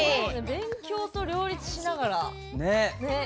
勉強と両立しながら。ね！ね！